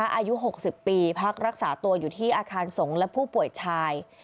อายุ๖๐ปีพักรักษาตัวอยู่ที่อาคารสงฆ์และผู้ป่วยชาย